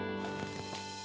lalu dimarahin sama ibu